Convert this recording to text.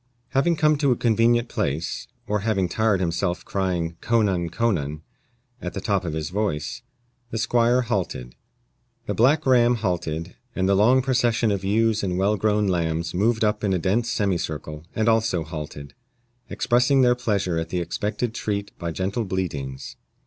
Having come to a convenient place, or having tired himself crying co nan, co nan, at the top of his voice, the squire halted. The black ram halted, and the long procession of ewes and well grown lambs moved up in a dense semicircle, and also halted, expressing their pleasure at the expected treat by gentle bleatings.